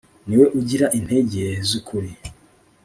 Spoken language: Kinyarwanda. ni we ugira intege z'ukuli